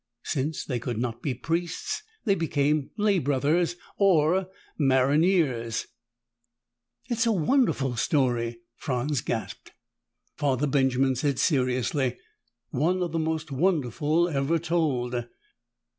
Since they could not be priests, they became lay brothers, or maronniers." "It is a wonderful story!" Franz gasped. Father Benjamin said seriously, "One of the most wonderful ever told.